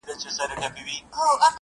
• په یوه ګړي یې مرګ ته برابر کړ,